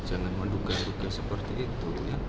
jangan melukai lukai seperti itu ya